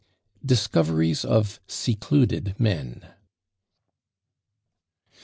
DISCOVERIES OF SECLUDED MEN.